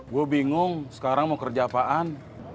gue bingung sekarang mau kerja apaan